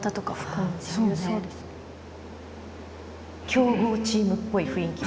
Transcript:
強豪チームっぽい雰囲気。